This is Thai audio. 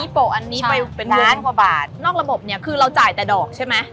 โปะอันนี้ไปเป็นหนึ่งนอกระบบคือเราจ่ายแต่ดอกใช่ไหม